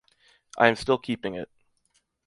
I am still keeping it.